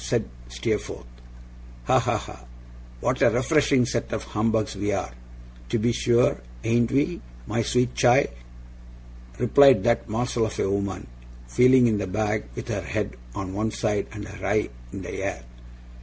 said Steerforth. 'Ha! ha! ha! What a refreshing set of humbugs we are, to be sure, ain't we, my sweet child?' replied that morsel of a woman, feeling in the bag with her head on one side and her eye in the air.